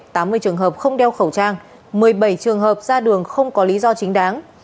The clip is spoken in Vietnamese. tám mươi trường hợp không đeo khẩu trang một mươi bảy trường hợp ra đường không có lý do chính đáng